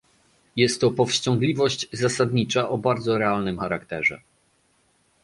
Jest to powściągliwość zasadnicza o bardzo realnym charakterze